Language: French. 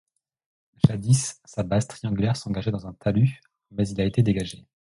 Jadis, sa base triangulaire s'engageait dans un talus, mais il a été dégagé.